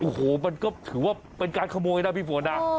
โอ้โหมันก็ถือว่าเป็นการขโมยนะพี่ฝนนะ